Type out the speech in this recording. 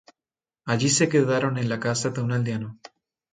Allí se quedaron en la casa de un aldeano.